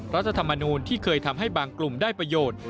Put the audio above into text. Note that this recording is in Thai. รัฐธรรมนูลที่เคยทำให้บางกลุ่มได้ประโยชน์